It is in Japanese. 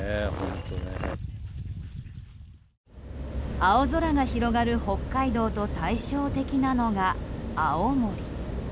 青空が広がる北海道と対照的なのが、青森。